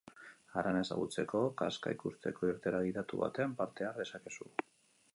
Harana ezagutzeko, karsta ikusteko irteera gidatu batean parte har dezakezu.